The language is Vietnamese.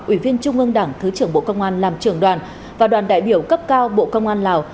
ủy viên trung ương đảng thứ trưởng bộ công an làm trưởng đoàn và đoàn đại biểu cấp cao bộ công an lào